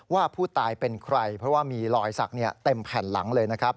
ว่าผู้ตายเป็นใครเพราะว่ามีรอยสักเต็มแผ่นหลังเลยนะครับ